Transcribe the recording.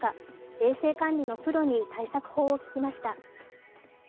衛生管理のプロに対策法を聞きました。